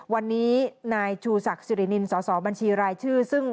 วันนี้นายชูศักดิ์สิรินิมสบรชซึ่ง